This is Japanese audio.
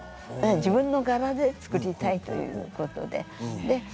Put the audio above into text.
自分の柄で作りたいということで。